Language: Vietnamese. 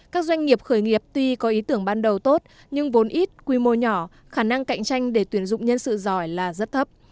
các doanh nghiệp khởi nghiệp tuy có ý tưởng ban đầu tốt nhưng vốn ít quy mô nhỏ khả năng cạnh tranh để tuyển dụng nhân sự giỏi là rất thấp